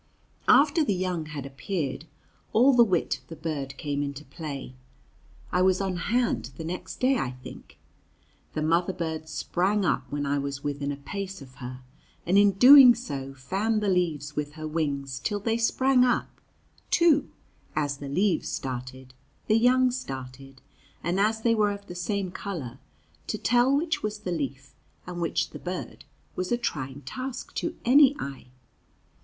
[Illustration: WHIP POOR WILL] After the young had appeared, all the wit of the bird came into play. I was on hand the next day, I think. The mother bird sprang up when I was within a pace of her, and in doing so fanned the leaves with her wings till they sprang up, too; as the leaves started the young started, and as they were of the same color, to tell which was the leaf and which the bird was a trying task to any eye.